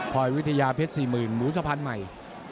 พลอยวิทยาเพชร๔๐หมูสะพันธุ์ใหม่